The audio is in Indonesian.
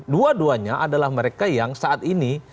dua duanya adalah mereka yang saat ini